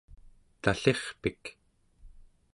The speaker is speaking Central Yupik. tallirpik